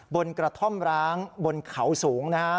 กระท่อมร้างบนเขาสูงนะฮะ